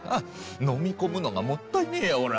飲み込むのがもったいねえや！